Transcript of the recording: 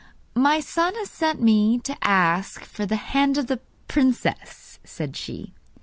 'My son has sent me to ask for the hand of the princess,' said she.